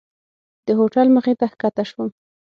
د هوټل مخې ته ښکته شوم.